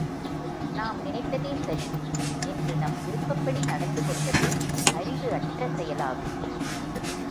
நாம் நினைப்பதே சரி என்று நம் விருப்பப்படி நடந்து கொள்வது அறிவு அற்ற செயலாகும்.